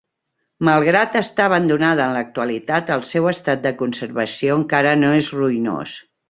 Malgrat estar abandonada en l'actualitat, el seu estat de conservació encara no és ruïnós.